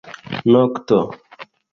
nokto